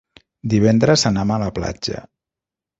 Divendres anam a la platja.